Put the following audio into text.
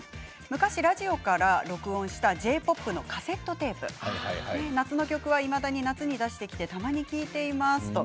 昔ラジオから録音したＪ−ＰＯＰのカセットテープ夏の曲はいまだに夏に出してきてたまに聴いています。